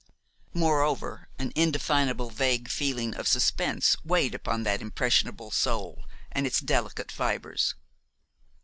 "Moreover, an indefinable vague feeling of suspense weighed upon that impressionable soul and its delicate fibres.